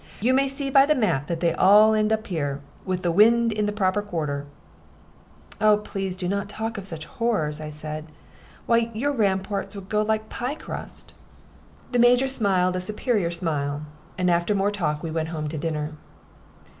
You may see by the map that they all end here, with the wind in the proper quarter." "Oh, please not to talk of such horrors," I said. "Why, your ramparts would go like pie crust." The Major smiled a superior smile, and after more talk we went home to dinner.